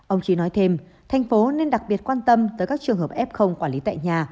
ông trí nói thêm thành phố nên đặc biệt quan tâm tới các trường hợp f quản lý tại nhà